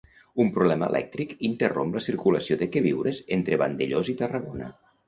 Un problema elèctric interromp la circulació de queviures entre Vandellòs i Tarragona.